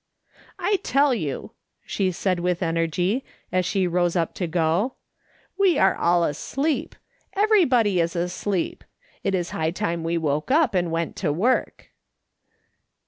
" I tell you," she said with energy, as she rose up to go, " we are all asleep. Everybody is asleep. It is high time we woke up and went to work."